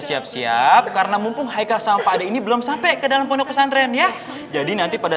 siap siap karena mumpung haikal sama pak ade ini belum sampai ke dalam pondok pesantren ya jadi nanti pada